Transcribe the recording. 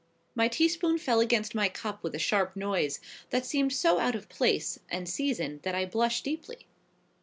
My teaspoon fell against my cup with a sharp noise, that seemed so out of place and season that I blushed deeply.